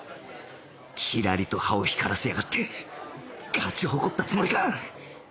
キラリと歯を光らせやがって勝ち誇ったつもりか！